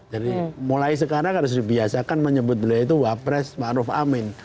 jadi mulai sekarang harus dibiasakan menyebut beliau itu wapres ma'ruf amin